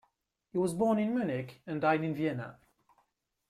He was born in Munich and died in Vienna.